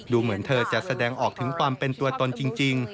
เหมือนเธอจะแสดงออกถึงความเป็นตัวตนจริง